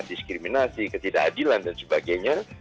diskriminasi ketidakadilan dan sebagainya